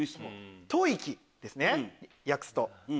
吐息ですね訳すと。